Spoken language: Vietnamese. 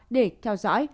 để theo dõi